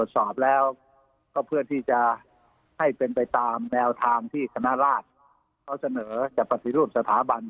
สอบแล้วก็เพื่อที่จะให้เป็นไปตามแนวทางที่คณะราชเขาเสนอจะปฏิรูปสถาบัน